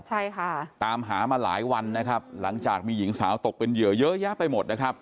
ใช่ค่ะตามหามาหลายวันนะครับหลังจากมีหญิงสาวตกเป็นเหยื่อเยอะแยะไปหมดนะครับ